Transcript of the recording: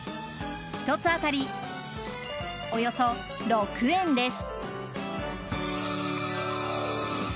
１つ当たりおよそ６円です。